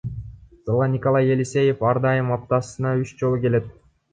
Залга Николай Елисеев ар дайым аптасына үч жолу келет.